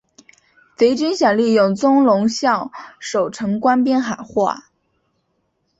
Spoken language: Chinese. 贼军想利用宗龙向守城官兵喊话。